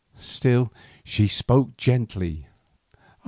Still she spoke gently.